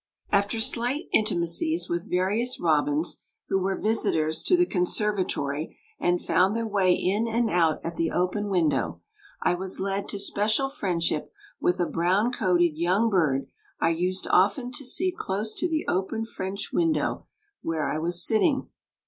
After slight intimacies with various robins who were visitors to the conservatory and found their way in and out at the open windows, I was led to special friendship with a brown coated young bird I used often to see close to the open French window where I was sitting.